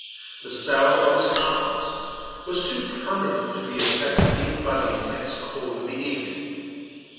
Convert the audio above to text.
The sallow of his countenance was too permanent to be affected even by the intense cold of the evening.